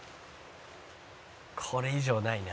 「これ以上ないな」